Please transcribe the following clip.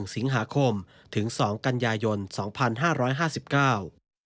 สิงหาคมถึงสองกันยายนสองพันห้าร้อยห้าสิบเก้า